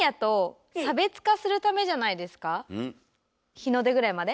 日の出ぐらいまで？